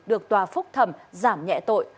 được tòa phúc thẩm giảm nhẹ tội